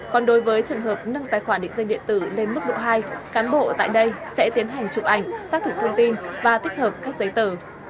còn đối với trường hợp nâng tài khoản định danh điện tử lên mức độ hai cán bộ tại đây sẽ tiến hành chụp ảnh xác thực thông tin và tích hợp các giấy tờ